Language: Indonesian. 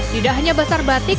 tidak hanya pasar batik